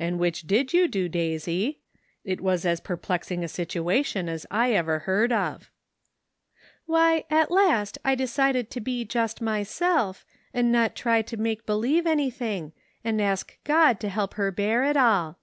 "And which did you do, Daisy? It was as perplexing a situation as I ever heard of." " Why, at last I decided to be just myself, and not try to make believe anything, and ask God to help her bear it all."